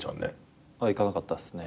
いかなかったっすね。